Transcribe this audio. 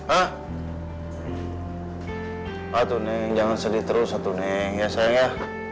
ah ah tuh nih jangan sedih terus satu nih ya sayang ya